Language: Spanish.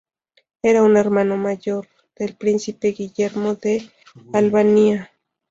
Era un hermano mayor del Príncipe Guillermo de Albania.